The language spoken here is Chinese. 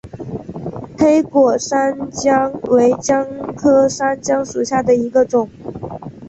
黑果山姜为姜科山姜属下的一个种。